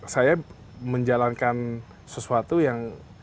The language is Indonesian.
saya menjalankan sesuatu yang